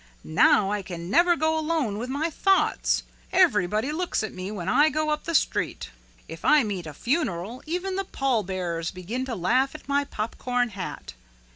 "Now I can never be alone with my thoughts. Everybody looks at me when I go up the street." "If I meet a funeral even the pall bearers begin to laugh at my popcorn hat.